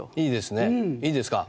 いいですか？